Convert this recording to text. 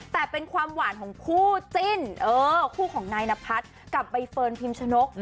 แต่เป็นความหวานของคู่จิ้นคู่ของนายนพัฒน์กับใบเฟิร์นพิมชนก